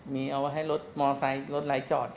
มีให้รถมอสไซค์รถไร้จอด